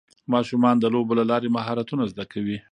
ماشومان د لوبو له لارې مهارتونه زده کوي